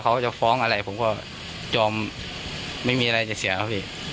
เรื่องนี้นะครับฝ่ายหญิงเข้าไปแจ้งความที่สพปลวกแดงนะครับเรื่องการทำร้ายร่างกายนะฮะ